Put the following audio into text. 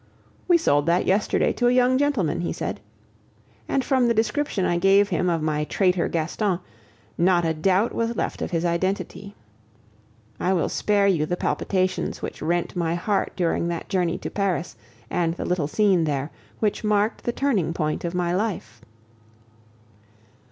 "We sold that yesterday to a young gentleman," he said. And from the description I gave him of my traitor Gaston, not a doubt was left of his identity. I will spare you the palpitations which rent my heart during that journey to Paris and the little scene there, which marked the turning point of my life.